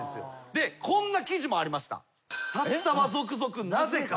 でこんな記事もありました。